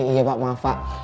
iya pak maaf pak